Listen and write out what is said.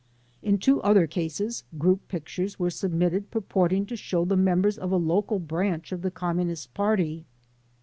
In two other cases, group pictures were submitted purporting to show the members of a local branch of the Communist Party.